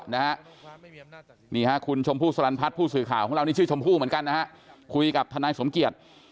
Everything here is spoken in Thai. นี่คุณชมพู่สลันพัฒน์ผู้สื่อข่าวชื่อชมพู่เหมือนกันนะคุยกับทนายสมเกียร์